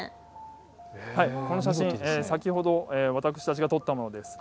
この写真、先ほど私たちが撮ったものです。